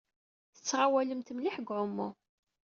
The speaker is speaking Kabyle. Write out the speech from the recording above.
Tettɣawalemt mliḥ deg uɛumu.